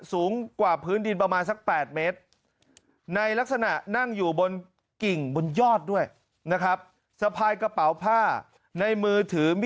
สูงกว่าพื้นดินประมาณสัก๘เมตรในลักษณะนั่งอยู่บนกิ่งบนยอดด้วยนะครับ